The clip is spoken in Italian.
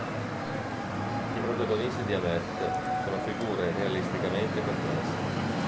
I protagonisti di Hammett sono figure realisticamente complesse.